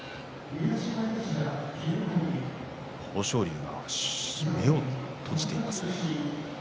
豊昇龍が目を閉じていますね。